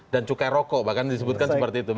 dan cukai rokok bahkan disebutkan seperti itu